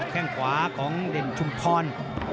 แค่งขวาของเด่นชุมพร